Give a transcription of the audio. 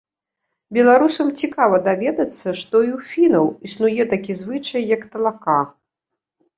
Беларусам цікава даведацца, што і ў фінаў існуе такі звычай, як талака.